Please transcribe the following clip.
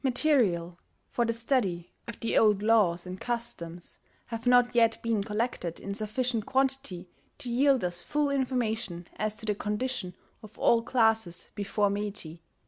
Material for the study of the old laws and customs have not yet been collected in sufficient quantity to yield us full information as to the conditions of all classes before Meiji.